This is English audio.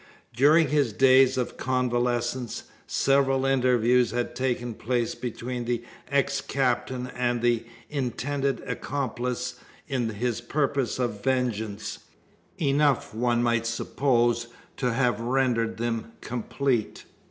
During his days of convalescence, several interviews had taken place between the ex captain and the intended accomplice in his purposes of vengeance enough, one might suppose, to have rendered them complete.